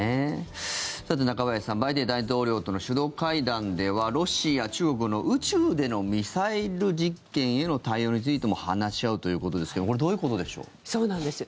さて、中林さんバイデン大統領との首脳会談ではロシア、中国の宇宙でのミサイル実験への対応についても話し合うということですけどそうなんです。